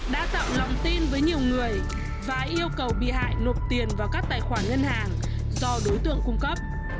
đã tạo lòng tin với nhiều người và yêu cầu bị hại nộp tiền vào các tài khoản ngân hàng do đối tượng cung cấp